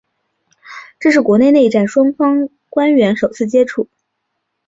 这是国共内战以后双方官员首次接触。